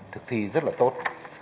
thực thi rất là tốt